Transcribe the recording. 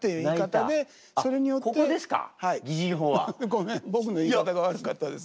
ごめん僕の言い方が悪かったです。